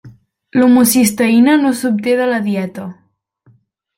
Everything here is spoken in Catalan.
L'homocisteïna no s'obté de la dieta.